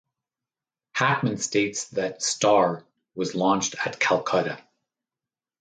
Hackman states that "Star" was launched at Calcutta.